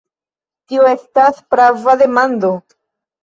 Tio estas prava demando.